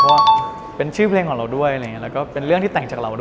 เพราะเป็นชื่อเพลงของเราด้วยและเป็นเรื่องที่แต่งจากเราด้วย